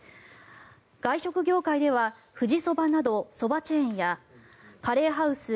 外食業界では富士そばなどそばチェーンやカレーハウスＣｏＣｏ壱